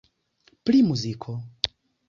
Pri muziko.